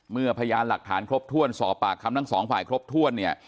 พยานหลักฐานครบถ้วนสอบปากคำทั้งสองฝ่ายครบถ้วนเนี่ย